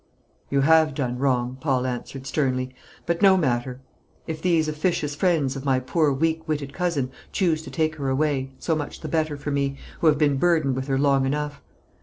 "You have done wrong," Paul answered, sternly; "but no matter. If these officious friends of my poor weak witted cousin choose to take her away, so much the better for me, who have been burdened with her long enough.